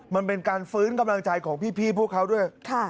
มันเป็นการฟื้นกำลังใจของพี่พวกเขาด้วย